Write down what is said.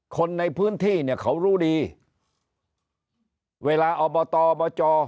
คนในพื้นที่เนี่ยเขารู้ดีเวลาอบตอบจ